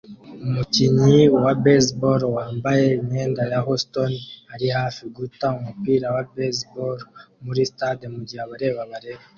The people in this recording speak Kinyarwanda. Umukinnyi wa baseball wambaye imyenda ya Houston ari hafi guta umupira wa baseball muri stade mugihe abareba bareba